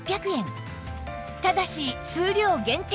ただし数量限定